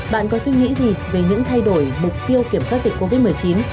bạn có suy nghĩ gì về những thay đổi mục tiêu kiểm soát dịch covid một mươi chín